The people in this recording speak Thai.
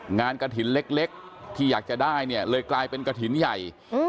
งานกระถินเล็กที่อยากจะได้เลยกลายเป็นกระถินใหญ่